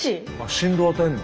振動を与えんの？